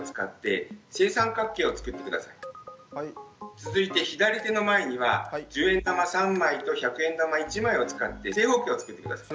続いて左手の前には１０円玉３枚と１００円玉１枚を使って正方形を作って下さい。